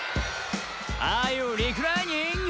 「アーユーリクライニング？」